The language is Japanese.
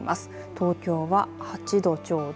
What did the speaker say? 東京は８度ちょうど。